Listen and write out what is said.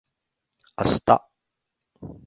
あした